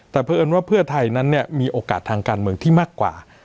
แต่เพราะเอิญว่าเพื่อไทยนั้นเนี่ยมีโอกาสทางการเมืองที่มากกว่า